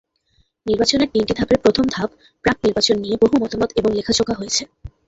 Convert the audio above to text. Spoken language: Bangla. নির্বাচনের তিনটি ধাপের প্রথম ধাপ প্রাক-নির্বাচন নিয়ে বহু মতামত এবং লেখাজোখা হয়েছে।